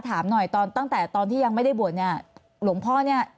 ถามหน่อยตอนตั้งแต่ตอนที่ยังไม่ได้บวชเนี่ยหลวงพ่อเนี่ย